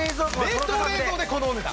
冷凍冷蔵でこのお値段。